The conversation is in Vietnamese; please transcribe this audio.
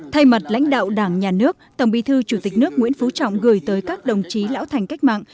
thay mặt lãnh đạo đảng nhà nước tổng bí thư chủ tịch nước nguyễn phú trọng gửi tới các đồng chí lão thành cách mạng